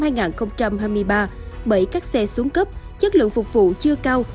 đây là một trong số bốn tuyến xe buýt bởi các xe xuống cấp chất lượng phục vụ chưa cao